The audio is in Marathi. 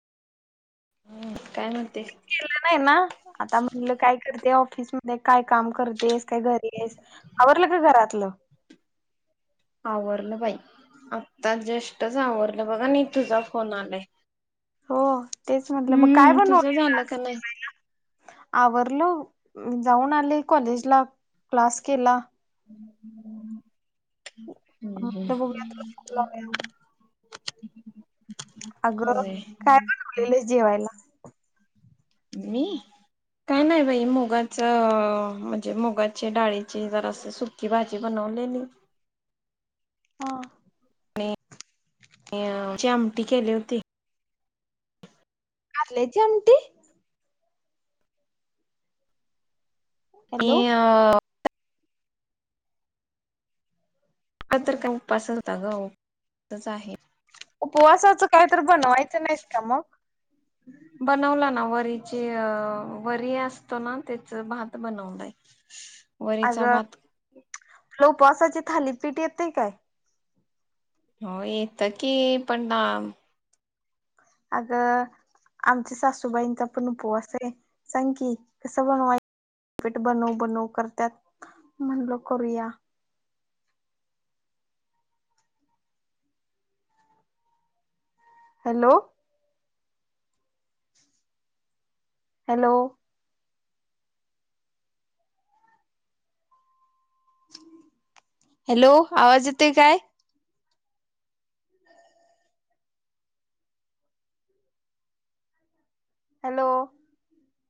हम् काय नव्हते केलं नाही ना आता म्हणलं काय करते. ऑफिसमध्येध्ये काय काम करतेस काय घरी येस आवरल का घरातलं. आवरलं बाई आत्ता जस्टच आवरलं बघा नाही तुझा फोन आला हो तेच म्हटलं मग काय बनव आज तुझं झालं काय का बनवलं नाही जेवायला आवरल जाऊन आले कॉलेज ला क्लास केला. ह् ह् म्हटलं बघूया तुला ह फोन लावूया ह अगं होय काय बनवलं जेवायला. मी काय नाही बाई मोगन. म्हणजे मुगाची डाळीचे जराशी सुकी भाजी बनवलेली. हा ती केली होती आपले जमते ये हॅलो अ अंतर गहू जवळ आहे उपवासाचा काहीतरी बनवायचं नाही. का मग बनवला नवरीचे वरी असतो ना त्याचं भात बनवणे. वणीचा भात. काय उपवासाचे थालीपीठ येते काय. हो येतं की पण ना. अगं आमच्या सासूबाईंचा पण उपवास आहे सांग की कसं बनवाय पीठ बनव बनव करत्यात म्हणलं करूया हॅलो.. हॅलो.. हॅलो आवाज येतो का. हॅलो